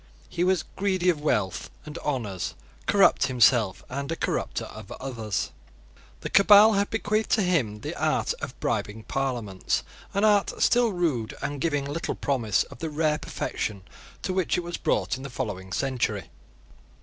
He was greedy of wealth and honours, corrupt himself, and a corrupter of others. The Cabal had bequeathed to him the art of bribing Parliaments, an art still rude, and giving little promise of the rare perfection to which it was brought in the following century.